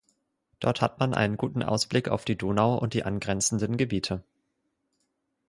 Dort hat man einen guten Ausblick auf die Donau und die angrenzenden Gebiete.